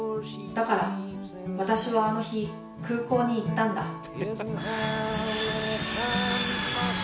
だから私はあの日空港に行ったんだ。